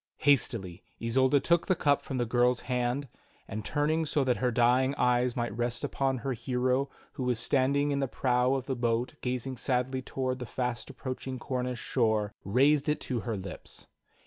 Hastily Isolda took the cup from the girl's hand, and turning so that her dying e^^es might rest upon her hero who was standing in the prow of the boat gazing sadly toward the fast approaching Cornish shore, raised it to her lips.